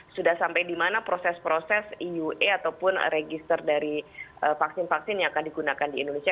sudah sampai di mana proses proses eua ataupun register dari vaksin vaksin yang akan digunakan di indonesia